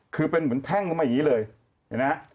คือเป็นเหมือนแท่งลงมาอย่างนี้เลยเห็นไหมฮะ